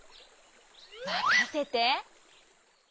まかせて！